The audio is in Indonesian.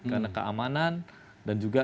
karena keamanan dan juga